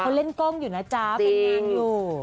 เขาเล่นกล้องอยู่นะจ๊ะเป็นงานอยู่